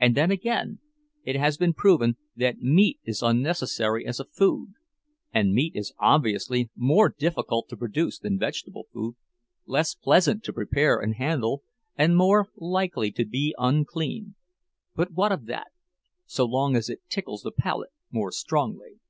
And then again, it has been proven that meat is unnecessary as a food; and meat is obviously more difficult to produce than vegetable food, less pleasant to prepare and handle, and more likely to be unclean. But what of that, so long as it tickles the palate more strongly?"